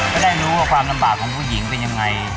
จะได้รู้ว่าความลำบากของผู้หญิงเป็นยังไง